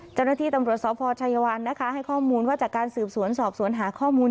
เจ้าหน้าที่ตำรวจสพชัยวันนะคะให้ข้อมูลว่าจากการสืบสวนสอบสวนหาข้อมูล